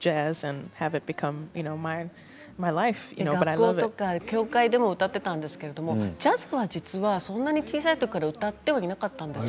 学校とか教会でも歌っていたんですがジャズはそんなに小さい時からは歌っていなかったんです。